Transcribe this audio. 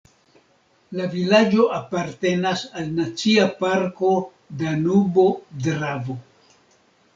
La vilaĝo apartenas al Nacia parko Danubo-Dravo.